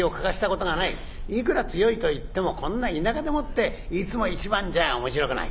『いくら強いといってもこんな田舎でもっていつも一番じゃ面白くない。